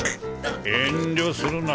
遠慮するな。